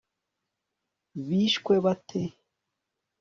bishwe bate